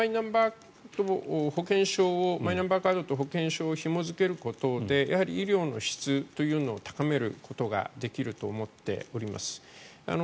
マイナンバーカードと保険証をひも付けることで医療の質というのを高めることができると思っております。